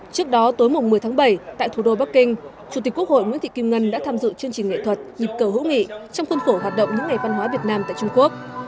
trước đó tối mùng một mươi tháng bảy tại thủ đô bắc kinh chủ tịch quốc hội nguyễn thị kim ngân đã tham dự chương trình nghệ thuật nhịp cầu hữu nghị trong khuôn khổ hoạt động những ngày văn hóa việt nam tại trung quốc